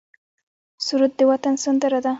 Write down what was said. سرود د وطن سندره ده